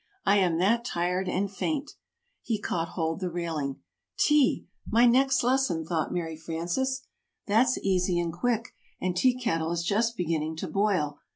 I am that tired and faint." He caught hold the railing. "Tea! my next lesson!" thought Mary Frances. "That's easy and quick! and Tea Kettle is just beginning to boil.